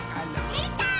できたー！